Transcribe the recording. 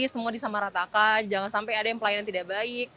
semua disamaratakan jangan sampai ada yang pelayanan tidak baik